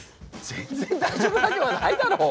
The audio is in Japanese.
全然大丈夫なわけないだろう！